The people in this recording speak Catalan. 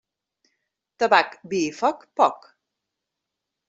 Tabac, vi i foc, poc.